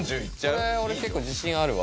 これ俺結構自信あるわ。